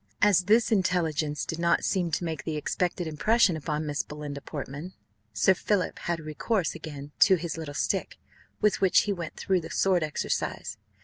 As this intelligence did not seem to make the expected impression upon Miss Belinda Portman, Sir Philip had recourse again to his little stick, with which he went through the sword exercise.